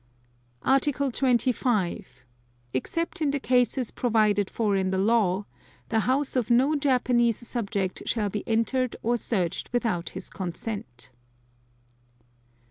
Article 25. Except in the cases provided for in the law, the house of no Japanese subject shall be entered or searched without his consent.